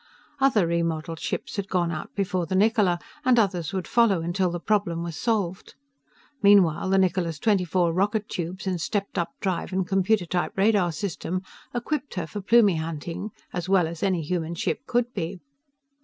Other remodeled ships had gone out before the Niccola, and others would follow until the problem was solved. Meanwhile the Niccola's twenty four rocket tubes and stepped up drive and computer type radar system equipped her for Plumie hunting as well as any human ship could be.